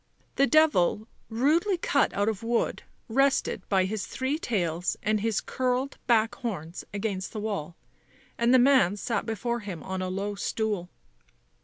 The devil, rudely cut out of wood, rested by his three tails and his curled back horns against the wall, and the man sat before him on a low stool.